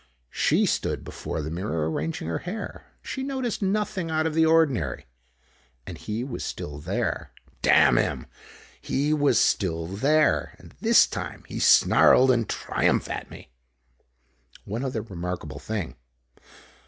She stood before the mirror arranging her hair. She noticed nothing out of the ordinary, but he was still there. Damn him! He was still there, and this time he snarled in triumph at me. One other remarkable thing.